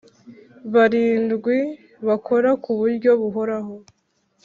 barindwi bakora ku buryo buhoraho